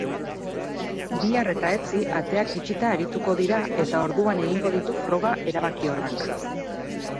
Bihar eta etzi ateak itxita arituko dira eta orduan egingo ditu froga erabakiorrak.